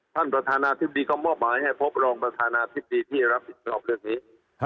ท่านประธานาธิบดีก็มอบหมายให้พบรองประธานาธิบดีที่รับผิดชอบเรื่องนี้